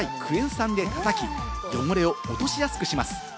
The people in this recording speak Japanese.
酸でたたき、汚れを落としやすくします。